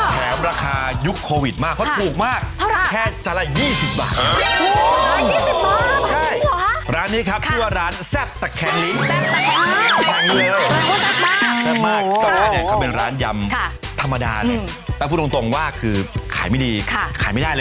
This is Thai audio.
แถมราคายุคโควิดมากเพราะถูกมาก